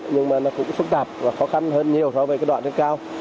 nhưng mà nó cũng phức tạp và khó khăn hơn nhiều so với cái đoạn trên cao